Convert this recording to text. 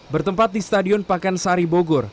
bertempat di stadion pakansari bogor